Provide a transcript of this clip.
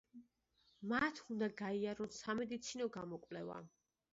მათ უნდა გაიარონ სამედიცინო გამოკვლევა.